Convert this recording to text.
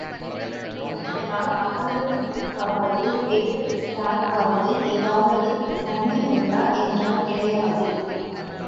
ஆனால், இதனால், அவர்களுக்காவது, வேறு யாருக்காவது ஏதாவது நன்மையுண்டா என்றால் கிடையாது.